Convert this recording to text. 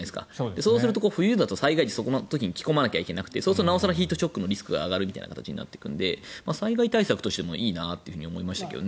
そうすると、冬の時に災害時に着込まないといけなくてそうするとなおさらヒートショックのリスクが上がるとなってくるので災害対策としてもいいなと思いましたけどね。